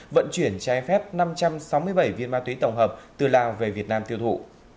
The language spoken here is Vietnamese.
vận chuyển trái phép năm trăm sáu mươi bảy viên ma túy tổng hợp từ lào về việt nam tiêu thụ